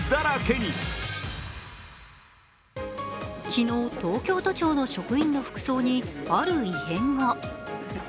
昨日、東京都庁の職員の服装に、ある異変が。